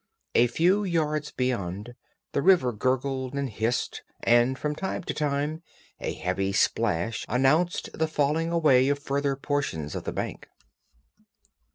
A few yards beyond, the river gurgled and hissed, and from time to time a heavy splash announced the falling away of further portions of the bank.